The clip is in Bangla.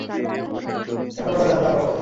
এখন ওরা জানবে আমরা কোথায়।